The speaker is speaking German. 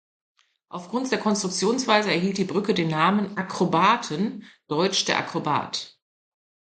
Aufgrund der Konstruktionsweise erhielt die Brücke den Namen „Akrobaten“ (deutsch "der Akrobat").